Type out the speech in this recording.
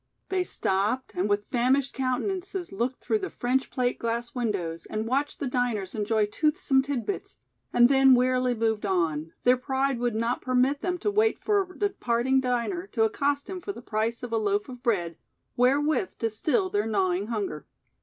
They stopped and with famished countenances looked through the French plate glass windows and watched the diners enjoy toothsome tidbits, and then wearily moved on their pride would not permit them to wait for a departing diner to accost him for the price of a loaf of bread wherewith to still their gnawing hunger.